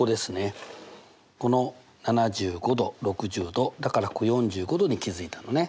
この７５°６０°だからここ４５°に気付いたのね。